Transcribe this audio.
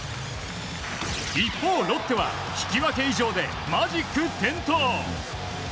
一方、ロッテは引き分け以上でマジック点灯。